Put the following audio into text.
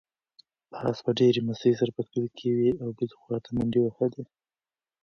آس په ډېرې مستۍ سره په کلي کې یوې او بلې خواته منډې وهلې.